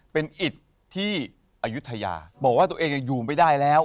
เป็นอิตที่อายุทยาบอกว่าตัวเองอยู่ไม่ได้แล้ว